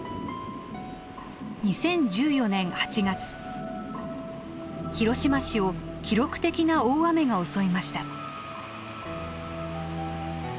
２０１４年８月広島市を記録的な大雨が襲いました。